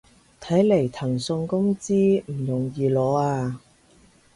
睇來騰訊工資都唔容易攞啊